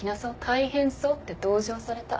「大変そう」って同情された。